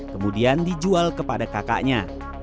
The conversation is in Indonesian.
kemudian dijual kepada kakaknya